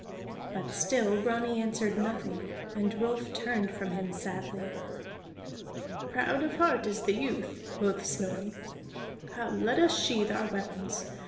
But still Grani answered nothing, and Rolf turned from him sadly. "Proud is the heart of youth," quoth Snorri. "Come, let us sheathe our weapons.